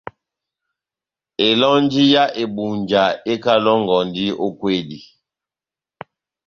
Elɔnji yá Ebunja ekalɔngɔndi ó kwedi.